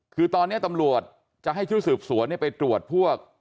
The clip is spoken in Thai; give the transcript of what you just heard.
คือตอนนี้ตำรวจจะให้ชุดสืบสวนไปตรวจพวก